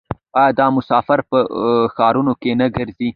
آیا دا مسافر په ښارونو کې نه ګرځي؟